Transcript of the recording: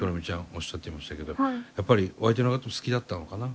おっしゃっていましたけどやっぱりお相手のこと好きだったのかな？